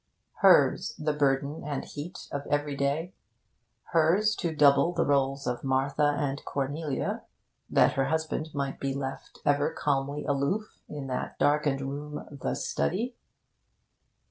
Hers the burden and heat of every day, hers to double the roles of Martha and Cornelia, that her husband might be left ever calmly aloof in that darkened room, the Study.